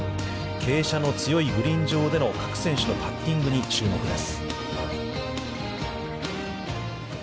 傾斜の強いグリーン上での各選手のパッティングに注目です。